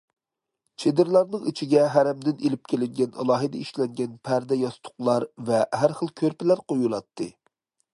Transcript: چېدىرلارنىڭ ئىچىگە ھەرەمدىن ئېلىپ كېلىنگەن ئالاھىدە ئىشلەنگەن پەردە- ياستۇقلار ۋە ھەر خىل كۆرپىلەر قويۇلاتتى.